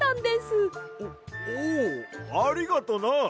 おおうありがとな！